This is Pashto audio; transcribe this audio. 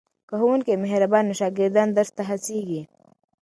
که ښوونکی مهربان وي نو شاګردان درس ته هڅېږي.